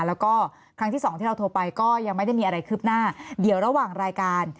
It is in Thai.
แล้วก็ครั้งที่สองที่เราโทรไปก็ยังไม่ได้มีอะไรคืบหน้าเดี๋ยวระหว่างรายการ